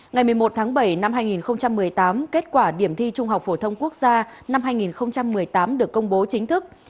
ngày một mươi một tháng bảy năm hai nghìn một mươi tám kết quả điểm thi trung học phổ thông quốc gia năm hai nghìn một mươi tám được công bố chính thức